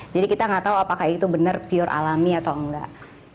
jadi kita nggak tahu apakah itu benar pure alami atau nggak